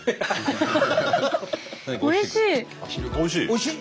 おいしい？